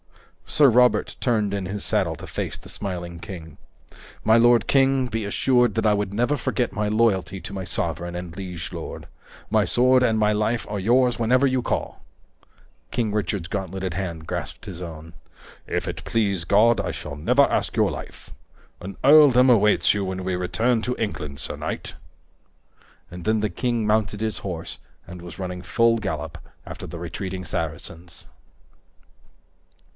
Sir Robert turned in his saddle to face the smiling king. "My lord king, be assured that I would never forget my loyalty to my sovereign and liege lord. My sword and my life are yours whenever you call." King Richard's gauntleted hand grasped his own. "If it please God, I shall never ask your life. An earldom awaits you when we return to England, sir knight." And then the king mounted his horse and was running full gallop after the retreating Saracens.